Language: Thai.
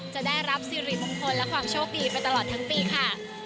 จะได้รับสิริมงคลและความโชคดีไปตลอดทั้งปีค่ะ